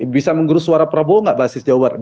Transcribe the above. bisa menggerus suara prabowo gak bahas di jawa tengah